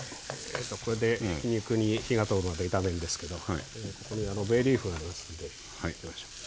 そこで肉に火が通るまで炒めるんですけどここにベイリーフがありますんで入れましょう。